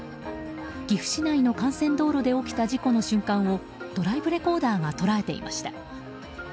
岐阜市内の幹線道路で起きた事故の瞬間をドライブレコーダーが捉えていました。